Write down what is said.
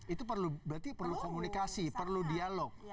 itu berarti perlu komunikasi perlu dialog